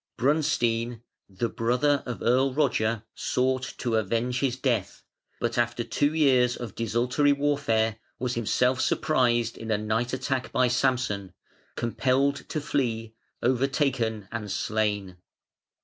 Brunstein, the brother of Earl Roger, sought to avenge his death, but after two years of desultory warfare was himself surprised in a night attack by Samson, compelled to flee, overtaken and slain.